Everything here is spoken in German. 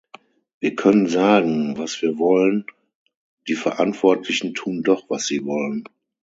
Wir können sagen, was wir wollen die Verantwortlichen tun doch, was sie wollen.